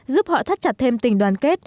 giúp họ thắt chặt thêm tình đoàn kết